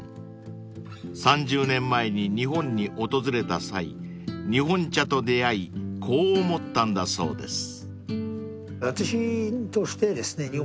［３０年前に日本に訪れた際日本茶と出合いこう思ったんだそうです］